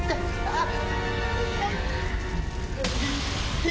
あっ。